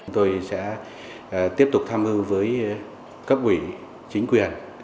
tôi sẽ tiếp tục tham hư với các quỹ chính quyền